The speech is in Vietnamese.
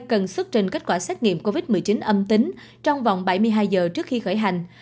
cần xuất trình kết quả xét nghiệm covid một mươi chín âm tính trong vòng bảy mươi hai giờ trước khi khởi hành